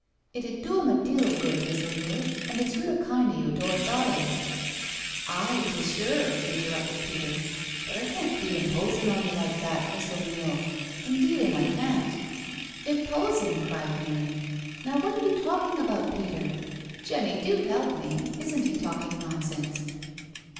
" It 'ud do 'im' a deal o' good, Miss O'Neil, an' it's real kind o' you t' 'ave thawt o' it." •'Aye, 'tis sure," interrupted Peter; "but I can't be imposin' on you like that. Miss O'Neil— indeed an' I can't." "Imposing!" cried Mary. "Now what are you talking about, Peter? Jenny, do help me^isn't he talking nonsense?"